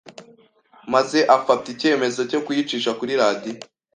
maze afata ikemezo cyo kuyicisha kuri radio